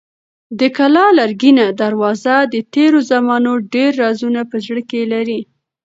د کلا لرګینه دروازه د تېرو زمانو ډېر رازونه په زړه کې لري.